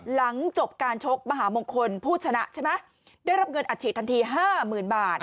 หลังจบการชกมหามงคลผู้ชนะได้รับเงินอัดฉีดทันที๕๐๐๐๐บาท